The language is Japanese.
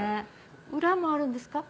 裏もあるんですか？